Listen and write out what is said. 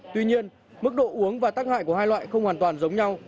tuy nhiên mức độ uống và tác hại của hai loại không hoàn toàn giống nhau